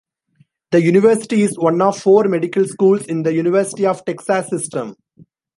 The university is one of four medical schools in the University of Texas System.